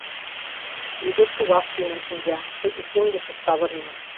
Ӱдыр тугак тӱҥын шинча, пуйто пундышыш савырнен.